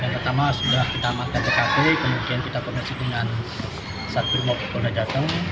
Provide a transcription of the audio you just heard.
dan pertama sudah kita mantan pkp kemudian kita kondisi dengan satu mokok kondas jateng